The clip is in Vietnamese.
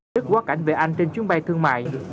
tức quá cảnh về anh trên chuyến bay thương mại